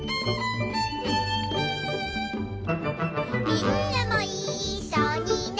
「みんなもいっしょにね」